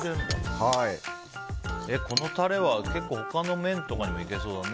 このタレは他の麺とかにもいけそうだね。